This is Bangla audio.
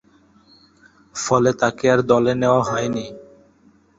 ফলে তাকে আর দলে নেয়া হয়নি।